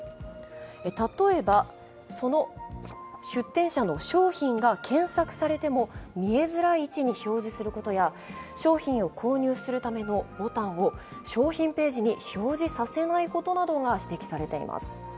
例えば、その出店者の商品が検索されても見えづらい位置に表示することや商品を購入するためのボタンを商品ページに表示させないことなどが指摘されています。